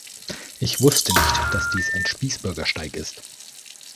Ich wusste nicht, dass dies ein Spießbürgersteig ist.